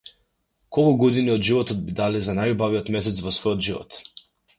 Колку години од животот би дале за најубавиот месец во својот живот?